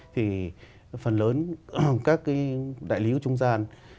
thì phần lớn các cái đại lý trung gian